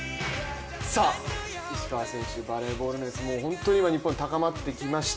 石川選手、バレーボール熱、本当に今、日本高まってきました。